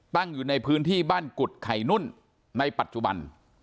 ตั้งอยู่ในพื้นที่บ้านกุฎไข่นุ่นในปัจจุบัน